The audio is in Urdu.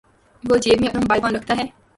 وہ جیب میں اپنا موبائل فون رکھتا ہے۔